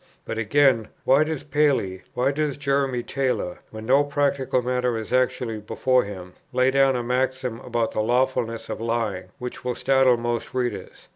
But again, why does Paley, why does Jeremy Taylor, when no practical matter is actually before him, lay down a maxim about the lawfulness of lying, which will startle most readers?